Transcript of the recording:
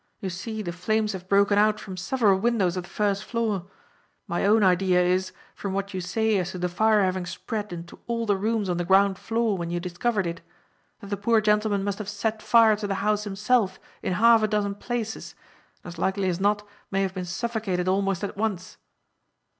You see the flames have broken out from several windows of the first floor. My own idea is, from what you say as to the fire having spread into all the rooms on the ground floor when you discovered it, that the poor gentleman must have set fire to the house himself in half a dozen places, and as likely as not may have been suffocated almost at once."